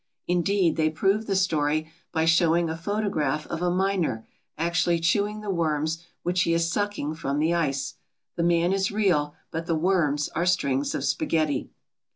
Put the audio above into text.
Indeed, they prove the story by showing a photograph of a miner actually chewing the worms which he is sucking from the ice. The man is real, but the "worms" are strings of spaghetti.